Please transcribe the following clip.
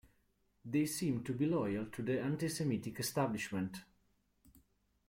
They seem to be loyal to the anti-Semitic establishment.